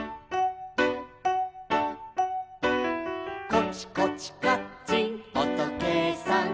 「コチコチカッチンおとけいさん」